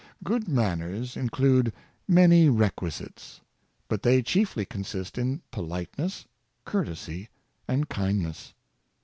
Good manners include many requisites; but they chiefly consist in politeness, courtesy, and kindness.